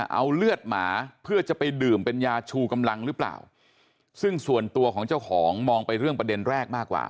เอาเลือดหมาเพื่อจะไปดื่มเป็นยาชูกำลังหรือเปล่าซึ่งส่วนตัวของเจ้าของมองไปเรื่องประเด็นแรกมากกว่า